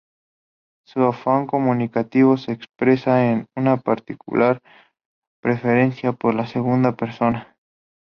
Su afán comunicativo se expresa en una particular preferencia por la segunda persona.